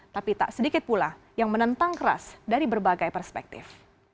tapi tak sedikit pula yang menentang keras dari berbagai perspektif